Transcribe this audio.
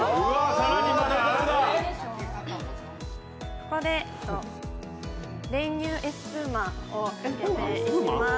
ここで、練乳エスプーマをかけていきます。